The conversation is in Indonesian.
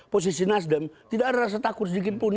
posisi nasdem tidak ada rasa takut sedikit pun